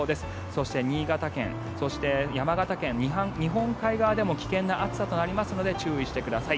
そして、新潟県、山形県日本海側でも危険な暑さとなりますので注意してください。